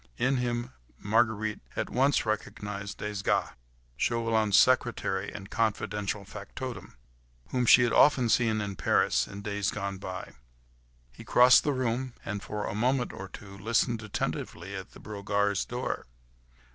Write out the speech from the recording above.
In him Marguerite at once recognised Desgas, Chauvelin's secretary and confidential factotum, whom she had often seen in Paris, in the days gone by. He crossed the room, and for a moment or two listened attentively at the Brogards' door.